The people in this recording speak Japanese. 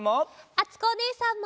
あつこおねえさんも。